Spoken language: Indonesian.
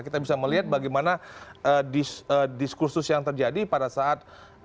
kita bisa melihat bagaimana diskursus yang terjadi pada saat